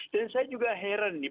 dan saya juga heran nih